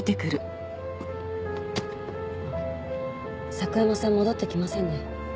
佐久山さん戻ってきませんね。